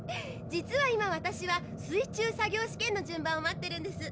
実は今私は水中作業試験の順番を待ってるんです。